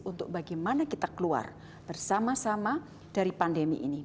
untuk bagaimana kita keluar bersama sama dari pandemi ini